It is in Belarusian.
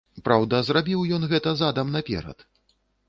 Праўда, зрабіў ён гэта задам наперад!